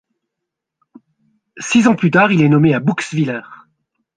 Six ans plus tard il est nommé à Bouxwiller.